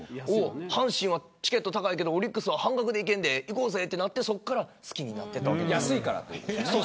阪神はチケット高いけどオリックスは半額で行けんで行こうぜとなってそこから好きになっていったわけです。